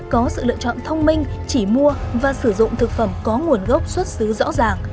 có sự lựa chọn thông minh chỉ mua và sử dụng thực phẩm có nguồn gốc xuất xứ rõ ràng